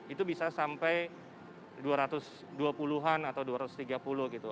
itu bisa sampai dua ratus dua puluh an atau dua ratus tiga puluh gitu